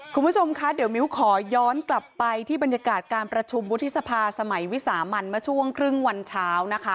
คุณผู้ชมคะเดี๋ยวมิ้วขอย้อนกลับไปที่บรรยากาศการประชุมวุฒิสภาสมัยวิสามันเมื่อช่วงครึ่งวันเช้านะคะ